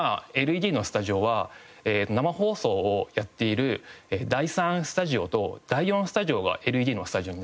今ＬＥＤのスタジオは生放送をやっている第３スタジオと第４スタジオがＬＥＤのスタジオになります。